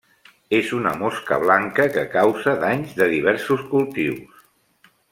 És una mosca blanca que causa danys de diversos cultius.